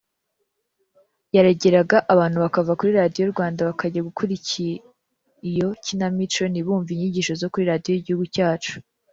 yarageraga abantu bakava kuri Radio Rwanda bakajya gukuriki iyo kinamico ntibumve inyigisho zo kuri radio y’igihugu cyacu